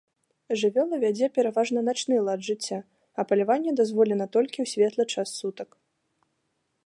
Жывёла вядзе пераважна начны лад жыцця, а паляванне дазволена толькі ў светлы час сутак.